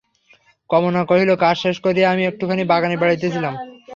কমলা কহিল, কাজ শেষ করিয়া আমি একটুখানি বাগানে বেড়াইতেছিলাম।